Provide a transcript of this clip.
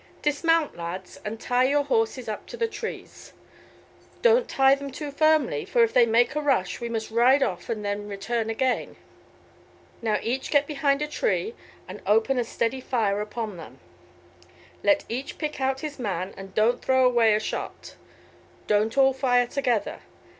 Dismount, lads, and tie your horses up to the trees. Don't tie them too firmly, for if they make a rush we must ride off and then return again. Now each get behind a tree and open a steady fire upon them. Let each pick out his man and don't throw away a shot. Don't all fire together.